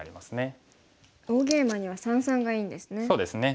大ゲイマには三々がいいんですね。